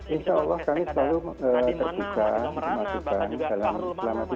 insya allah kami selalu tertipu